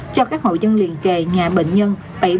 cho các hậu dân liên kề nhà bệnh nhân bảy nghìn bốn trăm ba mươi một